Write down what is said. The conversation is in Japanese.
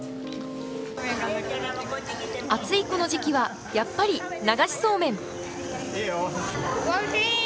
暑いこの時期はやっぱり、流しそうめん。